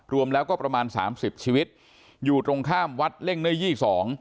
รวมแล้วก็ประมาณ๓๐ชีวิตอยู่ตรงข้ามวัดเล่งเนยี่๒